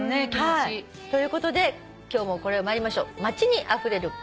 ということで今日もこれ参りましょう。